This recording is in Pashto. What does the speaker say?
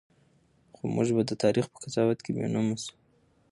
خو موږ به د تاریخ په قضاوت کې بېنومه شو.